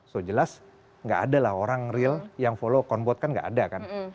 so jelas nggak ada lah orang real yang follow account bot kan nggak ada kan